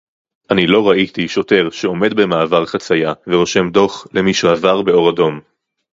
אני לא ראיתי שוטר שעומד במעבר חצייה ורושם דוח למי שעבר באור אדום